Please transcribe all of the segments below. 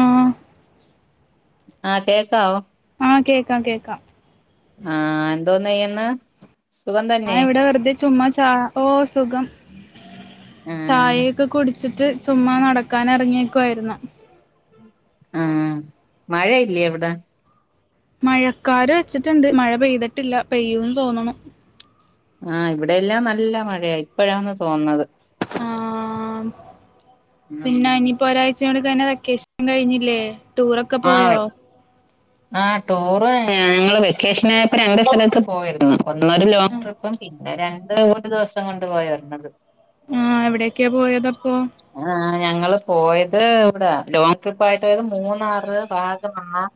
ആഹ് ആഹ് കേക്കാവോ ആഹ് കേക്കാം കേക്കാം ആഹ് എന്തോന്നെയ്യന്ന് ആഹ് ഇവിടെ വെറുതെ ചുമ്മാ ചാ ഓ സുഖം ചായാ ആഹ് യെക്കെ കുടി ച്ചിട്ട് ചുമ്മാ നടക്കാൻ എറങ്ങിയേക്ക്വായിരുന്നു ആഹ് മഴയില്ലേ അവിടെ മഴക്കാര് വെച്ചിട്ടുണ്ട് മഴ പെയ്തിട്ടില്ല പെയ്യൂന്ന് തോന്ന്ണു ആഹ് ഇവിടെ എല്ലാം നല്ല മഴയാ ഇപ്പഴാന്ന് തോന്നത് ആഹ് പിന്നെ ഇനിപ്പോ ഒരാഴച ട്ട് തന്നെവെക്കേഷൻ കഴിഞ്ഞില്ലേ ടൂറൊക്കെ പോയോ ആഹ് ആഹ് ടൂറ് ഞങ്ങള് വെക്കേഷൻ ആയപ്പം രണ്ട് സ്ഥലത്ത് പോയിരുന്നു ഒന്നൊരുലോങ് ആഹ് ട്രിപ്പും പിന്നെ രണ്ട് ഒരു ദിവസം കൊണ്ട് പോയി വെരുന്നത് ആ എവിടെയ്ക്ക്യാ പോയതപ്പൊ ഞങ്ങൾ പോയത് ഇവിടെ ലോങ്ങ് ട്രിപ്പ് ആയിട്ടേക്ക് മൂന്നാർ റ് ഭാഗം മാത്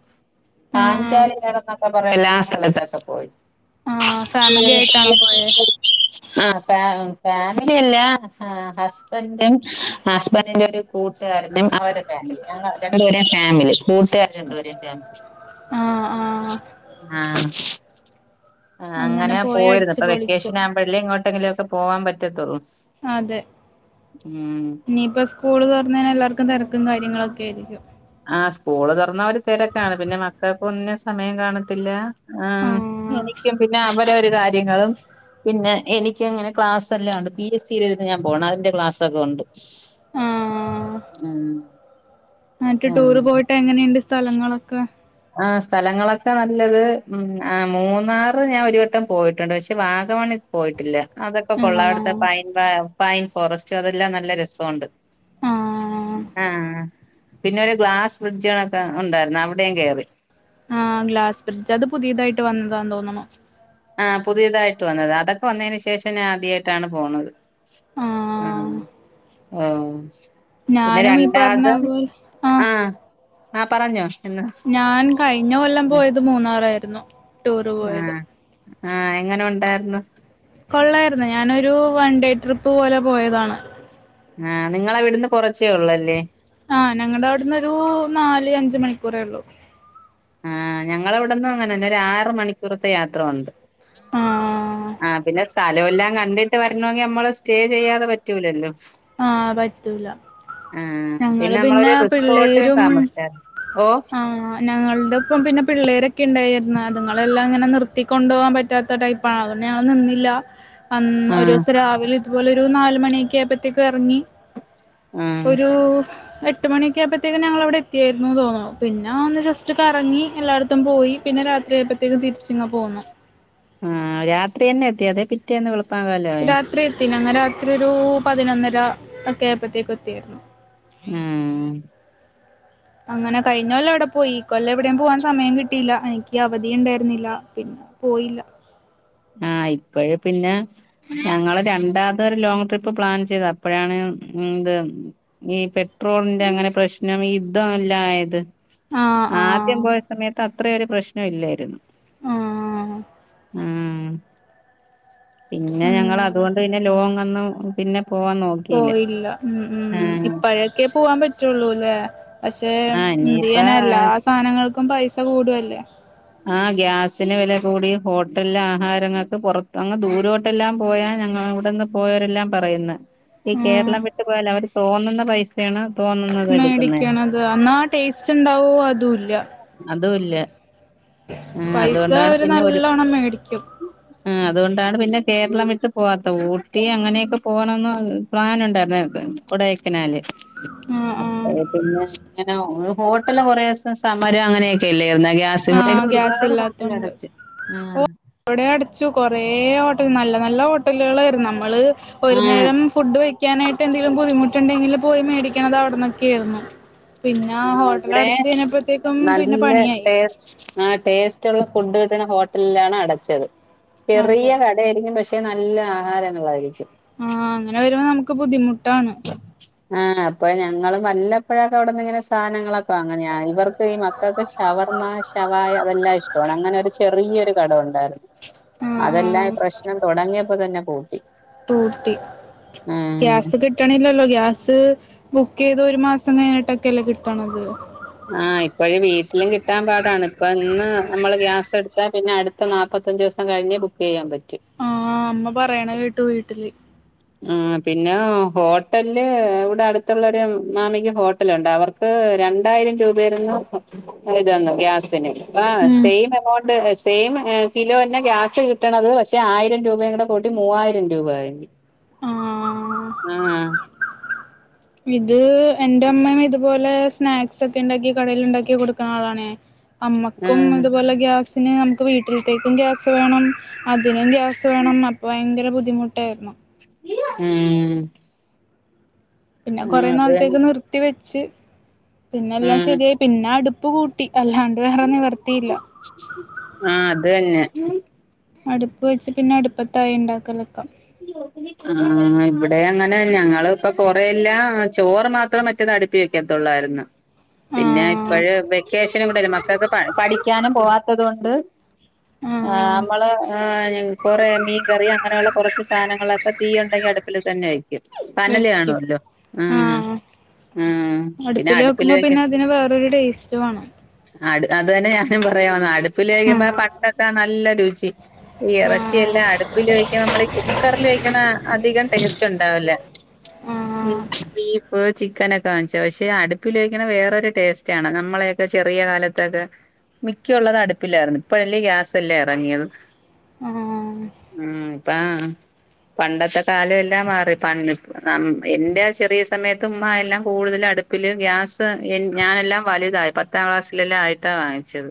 ആഹ് കാഞ്ചാലി നടന്നൊക്കെ കൊറെ എല്ലാ സ്ഥലത്തൊക്കെ പോയി [inaudible] ആഹ് ഫാമിലി ആയിട്ടാണോ പോയേ ആഹ് ഫ ഫാമിലില്ല ഹസ്ബൻഡും ഹസ്ബന്റിന്റെ ഒരു കൂട്ടാരനും അവരുടെ ഫാമിലി ഞങ്ങൾ രണ്ടും ഒരേ ഫാമിലി കൂട്ടര്ച്ചിട്ട് വരീട്ടോ ആഹ് ആഹ് ആഹ് ആ അങ്ങനെ പോയി പോയിരുന്നു ഇ. അടിച്ചു പ്പൊ പൊളിച്ചു വെക്കേഷൻ ആകുമ്പോഴല്ലേ ഇങ്ങോട്ട് എവിടെങ്കിലൊക്കെ പോവാൻ പറ്റത്തൊള്ളൂ അതെ ഇനീപ്പ സ് സ്കൂൾ തുറന്നെനാ എല്ലർക്കും തെരക്കും കാര്യങ്ങളൊക്ക ആയിരിക്കും. ആ സ്കൂൾ തുറന്ന ഒരു തെരക്കാണ്, പിന്നെ മക്കൾക്ക് ഒന്നും സമയം കാണത്തില്ല ആ ആഹ് എനിക്കും പിന്നെ അവ പിന്നെ ഒരു കാര്യങ്ങളും പിന്നെ എനിക്ക് ഇങ്ങനെ ക്ലാസ്സ്‌ എല്ലാ ഒണ്ട്, പി എസ് സിൽ ഇരുന്ന് ഞാൻ പോണം അതിന്റെ ക്ലാസ്സൊക്കെ ഒണ്ട്. ആ ന്നിട്ട് ടൂർ പോയിട്ട് എങ്ങനെയുണ്ട്, സ് സ്ഥലങ്ങളൊക്കെ ആ സ്ഥലങ്ങളൊക്കെ നല്ലത്, മൂന്നാറ് ഞാൻ ഒരു വട്ടം പോയിട്ടുണ്ട്, പക്ഷേ വാഗമണിൽ പോയിട്ടില്ല. അതൊക്കെ കൊള്ളാം, അവിടുത്തെ ആഹ് പൈൻ [unintelligible] പൈൻ ഫോറസ്റ്റ് അതെല്ലാം നല്ല രസോണ്ട് ആഹ് ആ പിന്നെ ഒരു ഗ്ലാസ് ബ്രിഡ്ജണൊക്കെ ഉണ്ടായിരുന്നു, അവിടെയും കേറി. ആ ഗ്ലാസ് ബ്രിഡ്ജ്, അത് പുതിതായിട്ട് വന്നതാന്ന് തോന്നണു. ആ പുതിയതായിട്ട് വന്നത്, അതൊക്കെ വന്നതിന് ശേഷം ഞാൻ ആദ്യായിട്ടാണ് പോണത്. ആ ആഹ് ആ ഞാനും ഈ പറഞ്ഞ പോലെ ആ ആഹ് ആ പറഞ്ഞോ. എന്ന് ഞാൻ കഴിഞ്ഞ കൊല്ലം പോയത് മൂന്നാറായി രുന്നു ആ ആ എങ്ങനെ ഒണ്ടായിര് [unintelligible] കൊള്ളായിരുന്നു, ഞാനൊരു വൺ ഡേ ട്രിപ്പ് പോലെ പോയതാണ്. ആഹ് നിങ്ങളവിടുന്ന് കൊറച്ചേ ഒള്ളല്ലേ. ആ ഞങ്ങടെ അവിടുന്ന് ഒരൂ നാല് അഞ്ച് മണിക്കൂറേ ഒള്ളൂ. ആ ഞങ്ങളവിടന്ന് അങ്ങനെ തന്നെ ഒരു ആറ് മണിക്കൂറത്തെ യാത്ര ഒണ്ട്. ആ ആ പിന്നെ സ് സ്ഥലോല്ലാം കണ്ടിട്ട് വരണമെങ്കിൽ നമ്മള് സ്റ്റേ ചെയ്യാതെ പറ്റൂലല്ലോ. ആ പറ്റൂല. ആഹ് ഞങ്ങള് പിന്നെ നമ്മളൊരു റിസോർട്ടിൽ പിള്ളേരും താമസിച്ചാരുന്നു. ഓഹ് ആ ഞങ്ങളുടെ ഒപ്പം പിന്നെ പിള്ളേരൊക്കെ ഇണ്ടായി. അതുങ്ങളെല്ലാം ഇങ്ങനെ നിർത്തിക്കൊണ്ടു പോകാൻ പറ്റാത്ത ടൈപ്പാണ്, അതുകൊണ്ട് ഞങ്ങള് നിന്നില്ല. അന്ന് ആഹ് ഒരുസം രാവിലെ ഇതുപോലെ ഒരു നാല് മണിയൊക്കെ ആയപത്തേക്ക് എറങ്ങി. ആഹ് ഒരു എട് എട്ട് മണിയൊക്കെ ആയപ്പത്തേക്കും ഞങ്ങൾ അവിടെ എത്തിയായിരുന്നു എന്ന് തോന്നുന്നു, പിന്നെ ഒന്ന് ജസ്റ്റ് കറങ്ങി എല്ലായിടത്തും പോയി പിന്നെ രാത്രിയായപ്പത്തേക്കും തിരിച്ചിങ്ങു പോന്നു. ആ രാത്രി തന്നെ എത്തി അതെ പിറ്റേന്ന് വെളുപ് പകലായ ത്തീനു അന്ന്‌രാത്രി ഒരു പതിനൊന്നര ഒക്കെ ആയപ്പോഴത്തേക്ക് എത്തിയ്രുന്നു ആഹ് അങ്ങനെ കഴിഞ്ഞ കൊല്ലം ഇവിടെ പോയി. ഇകൊല്ലം എവിടെം പോവാൻ സമയം കിട്ടിയില്ല എനിക്ക് അവധി ഇണ്ടായിരുന്നില്ല പിന്നെ പോയില്ല ആഹ് ഇപ്പഴ് പിന്നെ ഞങ്ങള് രണ്ടാമത് ഒരു ലോങ്ങ് ട്രിപ്പ് പ്ലാൻ ചെയ്ത് അപ്പഴാണ് ന്ത് ഈ പെട്രോളിന്റെ അങ്ങനെ പ്രശ്നം ഈ യുദ്ധം എല്ലാം ആയത് ആ ആ ആദ്യം പോയ സമയത്ത്അത് അത്രയൊരു പ്രശ്നം ഇല്ലായിരുന്നു ആ ആഹ് പിന്നെ ഞങ്ങള് അങ്ങനെ അതുകൊണ്ട് പിന്നെ ലോങ് ഒന്നും പിന്നെ പോവാൻ നോക്കിയില്ല പോയില്ല ഉം ഉം ഇപ്പഴൊക്കെ പോവാൻ പറ്റുള്ളൂ അല്ലേ പക്ഷെ ആഹ് എന്ത് ഇനിയിപ്പ ചെയ്യാനാ എല്ലാ സാധനങ്ങൾക്കും- ഇപ്പൊ പൈസ കൂടുവല്ലേ ആ ഗ്യാസിന് വില കൂടി ഹോട്ടല്ല് ആഹാരങ്ങൾക്ക് പുറത്ത് അങ്ങ് ദൂരോട്ടെല്ലാം പോയാ ഞങ്ങള് ഇവിടെന്ന് പോയവരെല്ലാം പറയുന്ന്‌ ഈ ഉം കേരളം വിട്ട് പോയാല് അവര്- തോന്നുന്ന പൈസയാണ് തോന്നുന്നത് എടുക്കുന്നേ മേടിക്കണത് എന്നാ ആ ടേസ്റ്റ് ഉണ്ടാവോ അതും ഇല്ല അതും ഇല്ല ആ പൈസ അതുകൊണ്ടാണ് അവര് പിന്നെ ഒരു നല്ലോണം മേടിക്കും ആ അതുകൊണ്ടാണ് പിന്നെ കേരളം വിട്ട്- പോവാത്ത ഊട്ടി അങ്ങനെയൊക്കെ പോകണം എന്ന് പ്ലാൻ ഉണ്ടായിരുന്നു കൊടൈക്കനാല് ആ ആ അ പിന്നെ അങ്ങനെ- ഹോട്ടല് കുറേ ദിവസം സമര - മരം അങ്ങനെയൊക്കെയല്ലായിരുന്നെ ഗ്യാസ് ആ ഇവിടെയൊക്കെ ഗ്യാസ് ഒരുപാട് ഹോട്ടല് ഇല്ലാത്തോണ്ട് അടച്ച് ഉം ഓ ഇവിടെ അടച്ചു കൊറെ ഹോട്ടല് നല്ല നല്ല ഹോട്ടലുകളായിരുന്നു. നമ്മള് ഒരു ആഹ് നേരം ഫുഡ് വെക്കാനായിട്ട് എന്തെങ്കിലും ബുദ്ധിമുട്ടുണ്ടെങ്കില് - പോയി മേടിക്കണത് അവിടുന്നൊക്കയായിരുന്നു ആഹ് ഇവിടെ പിന്നെ നല്ല പണിയായി ടേസ് ആ ടേസ്റ്റ്ള്ള ഫുഡ് കിട്ടണ ഹോട്ടലിലാണ് അടച്ചത്. അതെ ചെറിയ കട ഏരിക്കും പക്ഷെ ക്കെ നല്ല ആഹാരങ്ങളായിരിക്കും. ആഹ് അങ്ങനെ വരുമ്പോ നമുക്ക് ബുദ്ധിമുട്ടാണ്. ആ അപ്പഴ് ഞങ്ങളും വല്ലപ്പോഴൊക്കെ അവിടന്ന് ഇങ്ങനെ സാധനങ്ങളൊ ഇപ്പ അങ്ങനെയാ ഇവർക്ക് ഈ മക്കൾക്ക് ഷവർമ്മ, ശവായ അതെല്ലാം ഇഷ്ടമാണ് അങ്ങനെ ഒരു ചെറിയൊരു കട ഉ ണ്ടായിരുന്നു. ആ ആ അതെല്ലാം ഈ പ്രശ്നം തുടങ്ങിയ പ്പോ തന്നെ പൂട്ടി. തൂട്ടി ആഹ് ഗ്യാസ് കിട്ടണില്ല ല്ലോ ഗ്യാസ് ബുക്ക് ചെയ്ത് ഒരു മാസം കഴിഞ്ഞിട്ടൊക്കെല്ലോ കിട്ടണത്. ആഹ് ഇപ്പോഴ് വീട്ടിലും കിട്ടാൻ പാടാണ്. ഇപ്പൊ ഇന്ന് നമ്മൾ ഗ്യാസ് എടുത്താ പിന്നെ അടുത്ത നാല്പത്തിയഞ്ച് ദിവസം കഴിഞ്ഞ് ബുക്ക് ചെയ്യാൻ പ ആഹ് അമ്മ പറയണ കേട്ടു വീട്ടില്. ആ പിന്നെ ഹോട്ടൽല് ഇവിടെ അടുത്തുള്ളൊരു മാമിക് ഹോട്ടലുണ്ട് അവർക്ക് രണ്ടായിരം രൂപേരുന്നു ഇതന്നു ഗ്യാസിന് ആ ഉം സെയിം എമൗണ്ട് സെയിം കിലോ തന്നെ ഗ്യാസ് കിട്ടണത് പക്ഷെ ആയിരം രൂപയുടെ കൂടി മൂവായിരം രൂപ ആയി ആ ആഹ ഇത് എന്റെ അമ്മേനെയും ഇതുപോലെ സ്നാക്സ് ഒക്കെ ഉണ്ടാക്കി കടയിൽ ഉണ്ടാക്കി കൊടുക്കുന്ന ആളാണെ അമ്മക്കും ആഹ് അതുപോലെ ഗ്യാസ് പിന്നെ നമുക്ക് വീട്ടിലത്തേക്കും ഗ്യാസ് വേണം അതിനും ഗ്യാസ് വേണം അപ്പൊ ഭയങ്കരം ബുദ്ധിമുട്ടായിരുന്നു ഉം പിന്നെ ഉം കുറെേ അത് തന്നെ നാളത്തേക്ക് നിർത്തി വെച്ച ച്ച് പിന്നെല്ലാം ഉം ശരിയായി പിന്നെ അടു ട്ടുപു കൂട്ടി അല്ലാണ്ട് വേറെ നിവർത്തിയില്ല ആഹ് അത് തന്നെ അടുപ്പ് വെച്ച് പിന്നെ അടുപ്പത്തായി ഉണ്ടാക്കലൊക്ക ആ ഇവിടെ അങ്ങനെ ഞങ്ങൾ ഇപ്പ കൊറല്ല ചോറ് മാത്രേ മറ്റേത് അടുപ്പി വെക്കത്തുള്ളുയിരുന്നു ആ പിന്നെ ഇപ്പഴ് വെക്കേഷനും കൂടെയല്ലേ മ [unintelligible] അത് പ പഠിക്കാനും പോവാത്തത് കൊണ്ട് ആ നമ്മള് ആ കൊറേ മീൻകറി അങ്ങനെയുള്ള കൊറ്ച്ച് ഉള്ളി തന്നെ ആയി വെക്കും ആഹ് ആഹ് പിന്നെ അടുപ്പില് വെക്കുമ്പോ പിന്നെ വെക്ക അതിന് വേറൊരു ടേസ്റ്റ് വാണ് അട് അത് തന്നെ ഞാനും പറയാ വന്ന് ആ അടുപ്പിലുവെക്കുമ്പോ പണ്ടത്തെ നല്ല ചേച്ചി ഈ ആ എറച്ചിയെല്ലാം അടുപ്പില് വെയ്ക്കണ നമ്മളീ കുക് പ്പിവെക്കണ അധികം ടേ റ്റ് ഉണ്ടാവില്ല ഉം ആഹ് ബീഫ് ഫ് ചിക്കനൊക്കെ വാങ്ങിച്ച് പക്ഷെ അടുപ്പിൽ വെക്ക്‌ണേ വേറൊരു ടേസ്റ്റാണ് നമ്മളെയെക്കെ ചെറിയ കാലത്തൊക്കെ മിക്ക്യ ഉള്ളത് അടുപ്പിലായിരുന്നു ഇപ്പയല്ലേ ഗ്യാസ് എല്ലേ എറങ്ങിയത് ആഹ് മ് ഇപ്പ പണ്ടത്തെ കാലം എല്ലാം മാറി പണ്ട് ഇപ്പ നം എന്റെ ചെറിയ സമയത്ത് ഉമ്മയെല്ലാം കൂടുതൽ അടുപ്പില് ഗ്യാസ് എൻ ഞാനെല്ലാം വലുതായി പത്താം ക്ലാസ്സിലെല്ലാം ആയിട്ടാ വാങ്ങിച്ചത്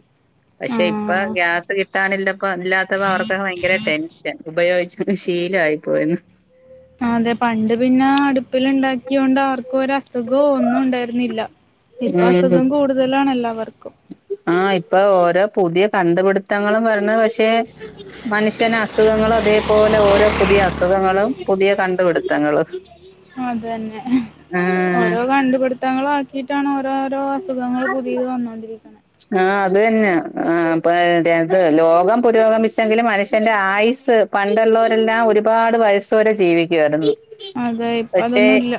പക്ഷെ ഇപ്പ ഗ്യാസ് കിട്ടാനില്ലപ്പോ ഇല്ലാത്തപ്പോ അവർക്കൊക്കെ ഭയങ്കര ടെൻഷൻ ഉപയോഗിച്ച് ശീ ശീലം ആയി പോയെന്ന് ക്കെ ഉണ്ട് അവർ ക്ക്‌ ഒരസുഖോ ഒന്നും ഉണ്ടായിരുന്നില്ല ഇപ്പ അസുഖം കൂടുതലാണല്ലോ വർ ആഹ ഇപ്പൊ ഓരോ പുതിയ കണ്ടുപിടുത്തങ്ങളും വരണ് പക് പക്ഷെ മനുഷ്യന് അസുഖങ്ങൾ അതേപോലെ ഓരോ പുതിയ അസു സുഖങ്ങളും പുതിയ കണ്ടുപിടുത്തങ്ങളും അത് തന്നെ ആഹ് ഓരോ കണ്ടുപിടുത്തങ്ങളും ആ കീട്ടണോ ഓരോ അസുഖങ്ങൾ പുതിയത് വന്നോണ്ടിരിക്ക്‌ണേ ആ അത് തന്നെ ആ പ്പം [unintelligible] ലോകം പുരോഗമിച്ചെങ്കിലും മനുഷ്യന്റെ ആയുസ് പണ്ടുള്ളവരെല്ലാം ഒരുപാട് വയസ്സുവരെ ജീവിക്കുവായിരുന്നു അതെ ഇപ്പ പക്ഷെ അതൊന്നും ഇല്ല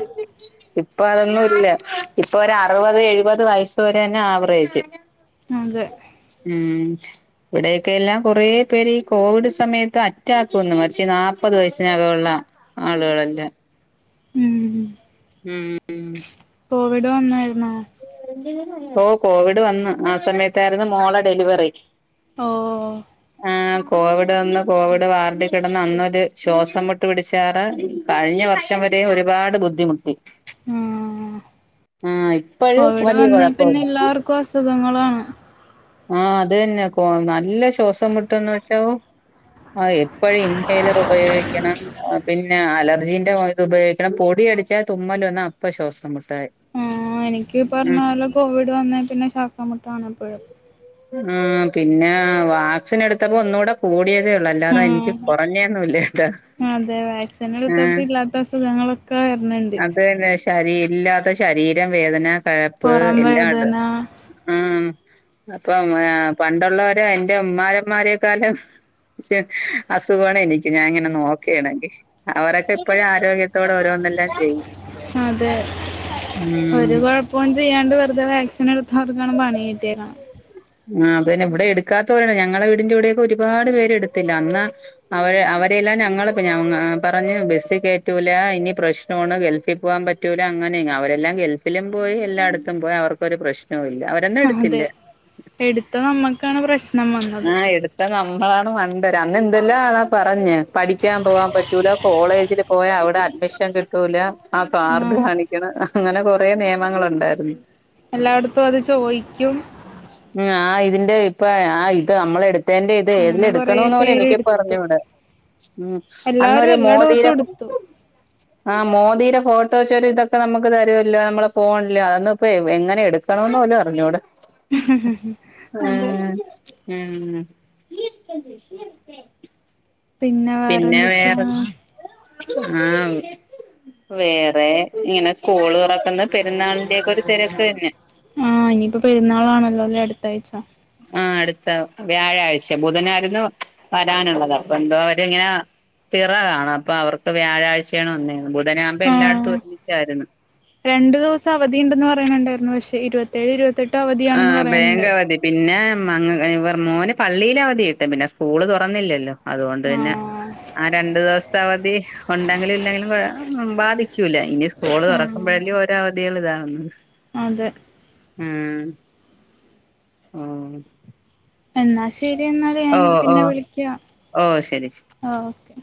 ഇപ്പൊ അതൊന്നും ഇല്ല ഇപ്പൊ ഒരു അറുപത് എഴുപത് വയസ്സു വരെ തന്നെ ആവറേജ് അതെ ഉം ഇവിടെയൊക്കെ എല്ലാം കൊറേ പേര് ഈ കോവിഡ് സമയത്ത് അറ്റാക്ക് വന്ന് മരിച്ച് നാല്പ്പത് വയസ്സിനകവുള്ള ആളുകളെല്ലാം ഉം ഉം കോവിഡ് വന്നായിരുന്നോ ഓ കോവിഡ് വന്ന് ആ സമയത്തായിരുന്നു മോളെ ഡെലിവറി ഓ ആ കോവിഡ് വന്ന് കോവിഡ് വാർഡിൽ കിടന്ന് അന്നൊരു ശ്വാസംമുട്ട് പിടിച്ചാറ് കഴിഞ്ഞ വർഷം വരെയും ഒരുപാട് ബുദ്ധിമുട്ടി ആഹ് ആഹ് കോവിഡ് വന്നേ പിന്നെ എല്ലാർക്കും അസു അസുഖങ്ങളാണ് ആഹ് അത് തന്നെ കൊ നല്ല ശ്വാസംമുട്ടെന്ന് വെച്ചാൽ ഓ എപ്പഴും ഇൻഹേലർ ഉപയോഗിക്കണം പിന്നെ അലർജിൻ്റെ ഇതുപയോഗിക്കണം പൊടിയടിച്ചാൽ തുമ്മൽ വന്നാൽ അപ്പം ശ്വാസംമുട്ടായി ആ എനിക്ക് ഈ പറഞ്ഞ പോലെ കോവിഡ് വന്നേ പിന്നെ ശ്വാസംമുട്ടാണ് എപ്പഴും ആ പിന്നെ വാക്സിൻ എടുത്തപ്പോ ഒന്നുടെ കൂടിയതേ ഒള്ളൂ അല്ലാ [unintelligible] ആഹ് എനിക്ക് കൊറഞ്ഞേന്നുയില്ല കെട്ടോ അതെ വാക്സിൻ ആ എടുത്തപ്പോ ഇല്ലാത്ത അസുഖങ്ങളൊക്കെ വരണണ്ട് അത് തന്നെ ശെ ശരീ ഇല്ലാത്ത ശരീരം വേദന കഴപ്പ് പുറം എല്ലാം ഇണ്ട് വേദന ഉം അപ്പം എഹ് പണ്ടുള്ളവരെ എൻ്റെ ഉമ്മാരെമാരെക്കാലും അസുഖ്വാണ് എനിക്ക് ഞാൻ ഇങ്ങനെ നോക്കേണെങ്കി ഓരൊക്കെ ഇപ്പഴും ആരോഗ്യത്തോടെ ഓരോന്നെല്ലാം ചെയ്യും അതെ ഉം ഒരു കൊഴപ്പോ ചെയ്യാണ്ട് വെറുതെ വാക്സിന് എടുത്തവർക്കാണ് പാണി കിട്ട്യേത ആഹ് അത തന്നെ ഇവിടെ എടുക്കാത്തവരാണ് ഞങ്ങളെ വീടിന്റെ ഔട്യെക്കെ ഒരുപാട് പേര് എടുത്തില്ല അന്ന് അവരെ അവരെയെല്ലാം ഞങ്ങള് ഞങ്ങ അ പറഞ്ഞ് ബെസ്സി കേറ്റൂല ഇനി പ്രശ്ന്വാണ് ഗൾഫി പോകാൻ പറ്റൂല അങ്ങനെ അവരെല്ലാം ഗൾഫിലും പോയി എല്ലായിടത്തും പോയി അവർക്കൊരു ഒരു പ്രശ്നവുല്ല ഒരെണ്ണം എടുത്തില്ല അതെ എടുത്ത നമ്മൾക്കാണ് പ്രശ്നം വന്നത് ആ എടുത്ത നമ്മളാണ് മണ്ടര് അന്ന് എന്തെല്ലാം ആളാ പറഞ്ഞെ പഠിക്കാൻ പോകാൻ പറ്റൂല കോളേജിൽ പോയാൽ അവിടെ അഡ്മിഷൻ കിട്ടൂല ആ കാർഡ് ആഹ് കാണിക്കണം അങ്ങനെ കുറെ നിയമങ്ങളുണ്ടായിരുന്നു എല്ലായിടത്തും അത് ചോയ്ക്കും ഉം ആ ഇതിന്റെ ഇപ്പം ആ ഇത് നമ്മളെടുത്ത് അതിൻ്റെ ഇത് ഏതില് അങ്ങനെ കൊറേ എടുക്കണമെന്ന് പോലും എനിക്ക് ഇപ്പം പേരെടുത്തു അറിഞ്ഞൂടാ അന്നൊരു എല്ലാരും എല്ലാ മോദിയുടെ ഡോസും എടുത്തു ആ മോദിടെ ഫോട്ടോ വച്ചൊരു ഇതൊക്കെ നമുക്ക് തരോല്ലോ നമ്മളെ ഫോണില് അതൊന്നും ഇപ്പൊൾ എങ്ങനെ എടുക്കണന്ന് പോലും അറിഞ്ഞൂടാ അതേ ഊം പിന്നെ വേറെന്തൊക്കെയാ ആ വേറെ ഇങ്ങനെ സ്കൂള് തുറക്കുന്ന പെരുന്നാളിന്റെ ഒക്കെ ഒരു തിരക്ക് തന്നെ തയ്ച്ചോ? ആ അടുത്ത വ്യാഴാഴ്ച ബുധനായിരുന്നു വരാനുള്ളത് അപ്പൊ എന്തോ അവരിങ്ങനെ പിറ കാണും അപ്പൊ അവർക്ക് വ്യാഴാഴ്ചയാണ് വന്നെന്ന് അങ്ങനാവുമ്പ ആഹ് എല്ലാട്ത്തും റ്റാരുന്നു രണ്ടു ദിവസം അവധിയുണ്ടെന്ന് പറയണുണ്ടായിരുന്നു പക്ഷെ ഇരുപത്തേഴ്, ഇരുപത്തെട്ട് അവധിയാണെന്ന് ആഹ് ബാങ്ക് പറയണുണ്ട് അവധി പിന്നെ ഉം അങ്ങ് ഇവർ മോന് പള്ളിയിൽ അവധി കിട്ടും പിന്നെ സ്കൂള് തൊറന്നില്ലല്ലോ അതുകൊണ്ട് തന്നെ ആഹ് ആ രണ്ടു ദിവസത്തെ അവധി ഉണ്ടെങ്കിലും ഇല്ലെങ്കിലും ബാധിക്ക പറ്റൂല്ല ഇനി സ്കൂള് ആഹ് തുറക്കുമ്പഴേല്ലേരു അവധികൾ ഇതാ ഉം അതെ ഉം ആഹ് എന്നാ ശര് ശരി എന്നാല് ഞാൻ പിന്നെ വിളിക്ക്യാ ഓഹ് ശരി ശരി ഓക്കെ